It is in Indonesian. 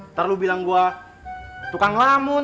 ntar lu bilang gue tukang lamun